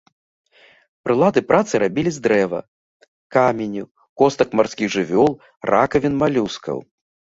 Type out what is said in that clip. Прылады працы рабілі з дрэва, каменю, костак марскіх жывёл, ракавін малюскаў.